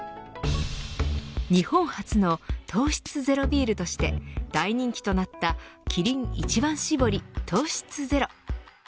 日本初の糖質ゼロビールとして大人気となったキリン一番搾り糖質ゼロ。